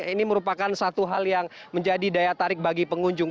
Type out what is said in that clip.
ini merupakan satu hal yang menjadi daya tarik bagi pengunjung